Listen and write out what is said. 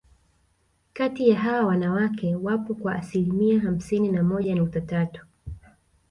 Kati ya hawa wanawake wapo kwa asilimia hamsini na moja nukta tatu